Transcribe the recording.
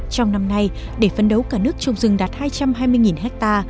trong năm nay để phấn đấu cả nước trồng rừng đạt hai trăm hai mươi ha